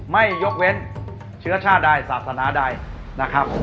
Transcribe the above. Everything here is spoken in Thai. ไม่ยกเว้นเชื้อชาติใดศาสนาใดนะครับ